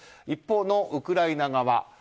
一方のウクライナ側。